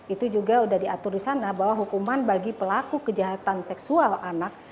itu juga sudah diatur di sana bahwa hukuman bagi pelaku kejahatan seksual anak